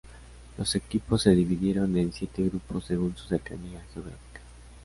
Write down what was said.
Los equipos se dividieron en siete grupos según su cercanía geográfica.